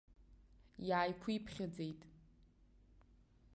Иааиқәиԥхьаӡеит.